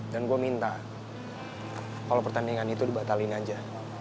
dan gue minta kalau pertandingan itu dibatalin aja